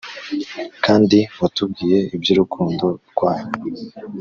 kandi watubwiye iby urukundo rwanyu